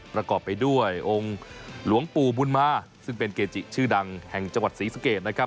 ประกอบไปด้วยองค์หลวงปู่บุญมาซึ่งเป็นเกจิชื่อดังแห่งจังหวัดศรีสะเกดนะครับ